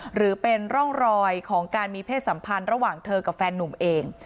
หรือเป็นร่องรอยของการมีเพศสัมพันธ์ระหว่างเธอกับแฟนนุ่มเอง